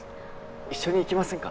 一緒に行きませんか？